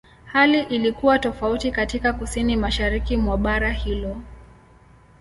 Hali ilikuwa tofauti katika Kusini-Mashariki mwa bara hilo.